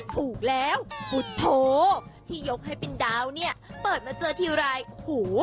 ถูกแล้วพุทธโธที่ยกให้เป็นดาวเนี่ยเปิดมาเจอทีไรโอ้โห